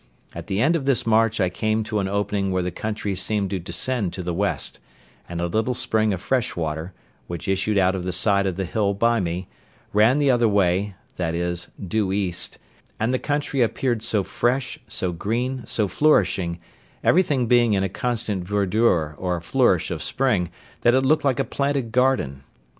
At the end of this march I came to an opening where the country seemed to descend to the west; and a little spring of fresh water, which issued out of the side of the hill by me, ran the other way, that is, due east; and the country appeared so fresh, so green, so flourishing, everything being in a constant verdure or flourish of spring that it looked like a planted garden.